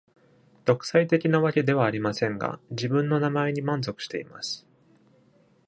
独裁的なわけではありませんが、自分の名前に満足しています。